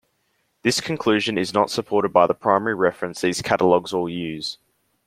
This conclusion is not supported by the primary reference these catalogs all use.